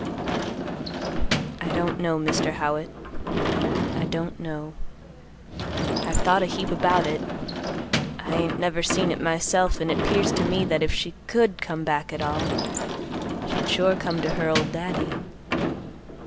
"I don't know, Mr. Howitt; I don't know. I've thought a heap about it, I ain't never seen it myself, and it 'pears to me that if she could come back at all, she'd sure come to her old Daddy.